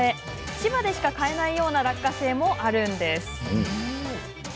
千葉でしか買えないような落花生もあるんです。